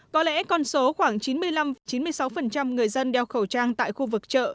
có lẽ con số khoảng chín mươi năm chín mươi sáu người dân đeo khẩu trang tại khu vực chợ